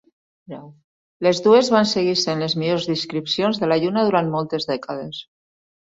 Les dues van seguir sent les millors descripcions de la Lluna durant moltes dècades.